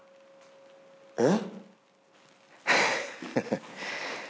えっ？